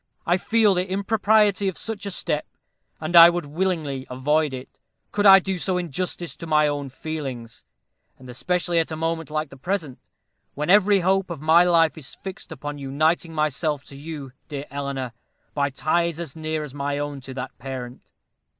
I feel the impropriety of such a step, and I would willingly avoid it, could I do so in justice to my own feelings and especially at a moment like the present when every hope of my life is fixed upon uniting myself to you, dear Eleanor, by ties as near as my own to that parent.